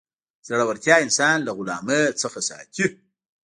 زړورتیا انسان له غلامۍ څخه ساتي.